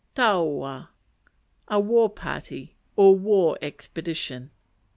Taua A war party; or war expedition.